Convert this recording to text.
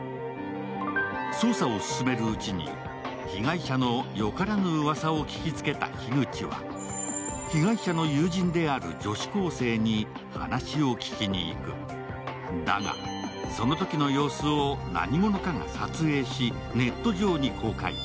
捜査を進めるうちに被害者のよからぬうわさを聞きつけた樋口は被害者の友人である女子高生に話を聞きに行くだが、そのときの様子を何者かが撮影しネット上に公開。